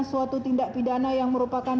suatu tindak pidana yang merupakan